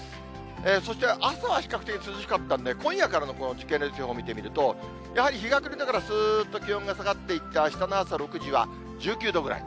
そして、朝は比較的涼しかったんで、今夜からの時系列予報見てみると、やはり日が暮れてからすーっと気温が下がっていって、あしたの朝６時は１９度ぐらい。